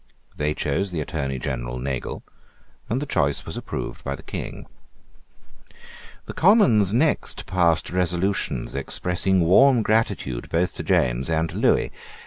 They chose the Attorney General Nagle; and the choice was approved by the King, The Commons next passed resolutions expressing warm gratitude both to James and to Lewis.